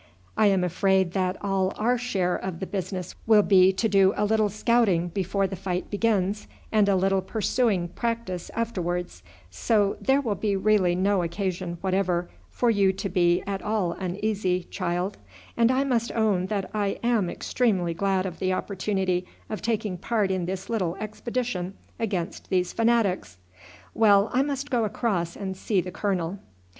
I am afraid that all our share of the business will be to do a little scouting before the fight begins, and a little pursuing practice afterwards, so there will be really no occasion whatever for you to be at all uneasy, child; and I must own that I am extremely glad of the opportunity of taking part in this little expedition against these fanatics. Well, I must go across and see the colonel."